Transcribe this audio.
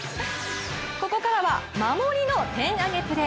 ここからは守りのテン上げプレー。